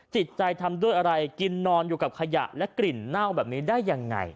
จิตใจทำด้วยอะไรกินนอนอยู่กับขยะและกลิ่นเน่าแบบนี้ได้ยังไง